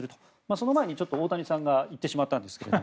その前に大谷さんが言ってしまったんですけれど。